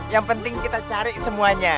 yang penting kita cari semuanya